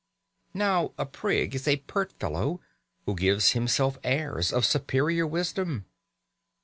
Now a prig is a pert fellow who gives himself airs of superior wisdom.